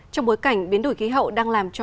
trong bối cảnh biến đổi khí hậu đang làm cho